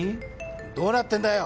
どうなってんだよ！